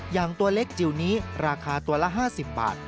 อย่างตัวเล็กจิ๋วนี้ราคาตัวละ๕๐บาท